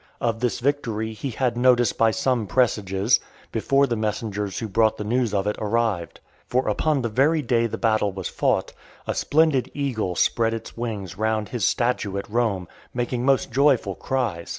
Of this victory he had notice by some presages, before the messengers who brought the news of it arrived. For upon the very day the battle was fought, a splendid eagle spread its wings round his statue at Rome, making most joyful cries.